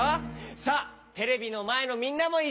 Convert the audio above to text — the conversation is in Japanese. さあテレビのまえのみんなもいっしょに。